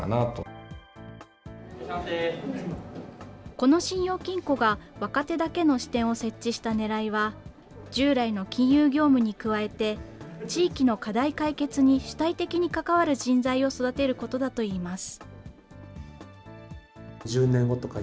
この信用金庫が、若手だけの支店を設置したねらいは、従来の金融業務に加えて、地域の課題解決に主体的に関わる人材を育てることだといいます。